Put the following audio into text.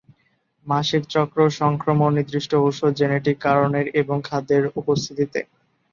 মাসিক চক্র, সংক্রমণ, নির্দিষ্ট ওষুধ, জেনেটিক কারণের, এবং খাদ্যের উপস্থিতিতে।